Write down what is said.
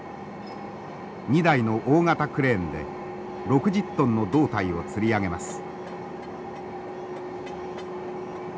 ２台の大型クレーンで６０トンの胴体をつり上げます。